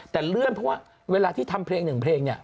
แต่เลื่อนเพราะว่าเวลาที่ทำเพลงหนึ่งเพลงเนี่ย